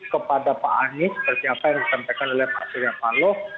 kepada pak anies seperti apa yang disampaikan oleh pak surya paloh